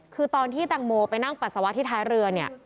คือตอนที่แตงโมไปนั่งปัสสาวะที่ท้ายเรือเนี่ย